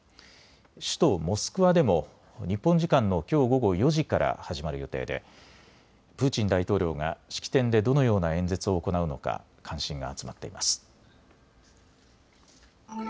首都モスクワでも日本時間のきょう午後４時から始まる予定でプーチン大統領が式典でどのような演説を行うのか関心が集まっています。